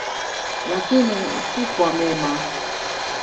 Lakini si kwa mema.